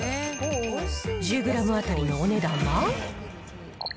１０グラム当たりのお値段は？